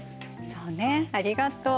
そうねありがとう。